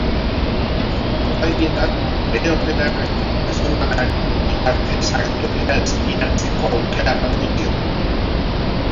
Ordainetan, bere ordenagailu pertsonalaren bitartez aktorea espiatzeko aukera emango dio.